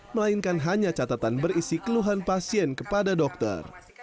melainkan hanya catatan berisi keluhan pasien kepada dokter